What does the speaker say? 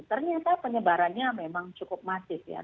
ternyata penyebarannya memang cukup masif ya